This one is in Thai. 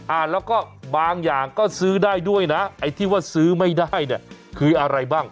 แล้วก็บางอย่างก็ซื้อได้ด้วยนะไอ้ที่ว่าซื้อไม่ได้เนี่ยคืออะไรบ้าง